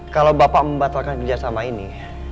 kalau bapak membatalkan kerjasama ini